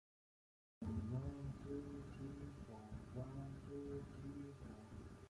Also shown was a simple football and the club name.